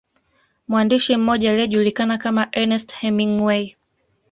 Mwandishi mmoja aliyejulikana kama Ernest Hemingway